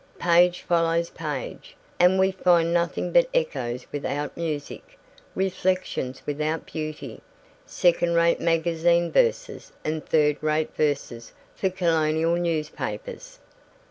Page follows page, and we find nothing but echoes without music, reflections without beauty, second rate magazine verses and third rate verses for Colonial newspapers.